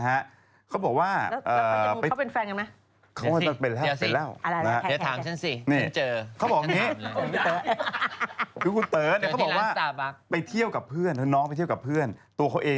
แล้วไปที่จริงกันเขาเป็นแฟนกันไหม